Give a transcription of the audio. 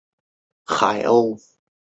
座堂的标志是圣安德烈十字。